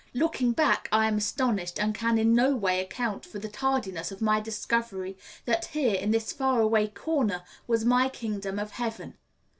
Looking back I am astonished, and can in no way account for the tardiness of my discovery that here, in this far away corner, was my kingdom of heaven.